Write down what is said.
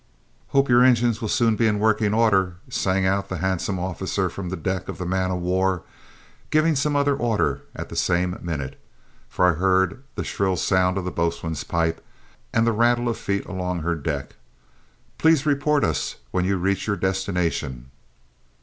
"Hope your engines will soon be in working order," sang out the handsome officer from the deck of the man of war, giving some other order at the same minute, for I heard the shrill sound of a boatswain's pipe and the rattle of feet along her deck. "Please report us when you reach your destination."